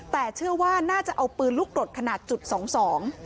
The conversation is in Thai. แต่เชื่อว่าน่าจะเอาปืนลูกกรดขนาดจุดสองสอง